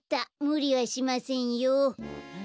むりはしませんよ。